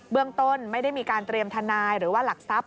เรื่องต้นไม่ได้มีการเตรียมทนายหรือว่าหลักทรัพย